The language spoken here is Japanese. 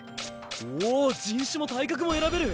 おお人種も体格も選べる！